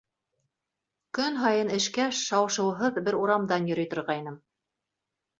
Көн һайын эшкә шау-шыуһыҙ бер урамдан йөрөй торғайным.